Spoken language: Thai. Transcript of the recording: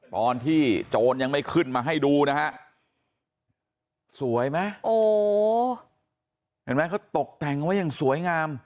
ตอนที่โจรยังไม่ขึ้นมาให้ดูนะฮะสวยไหมโอ้โหเห็นไหมเขาตกแต่งไว้อย่างสวยงาม